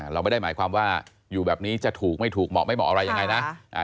เราไม่ได้หมายความว่าอยู่แบบนี้จะถูกไม่ถูกเหมาะไม่เหมาะอะไรยังไงนะ